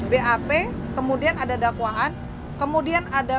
bap kemudian ada dakwaan kemudian ada